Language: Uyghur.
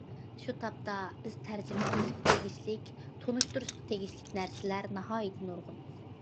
شۇ تاپتا، بىز تەرجىمە قىلىشقا تېگىشلىك، تونۇشتۇرۇشقا تېگىشلىك نەرسىلەر ناھايىتى نۇرغۇن.